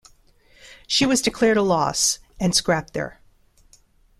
She was declared a loss and scrapped there.